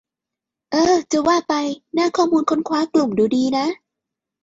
เอ้อ จะว่าไป หน้าข้อมูลค้นคว้ากลุ่มดูดีนะ